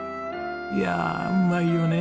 いやあうまいよね。